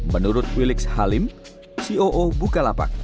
menurut wilix halim ceo bukalapak